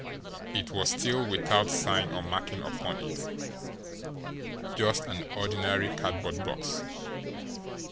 It was still without sign or marking upon it, just an ordinary cardboard box.